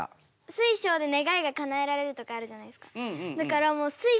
水晶で願いがかなえられるとかあるじゃないですか。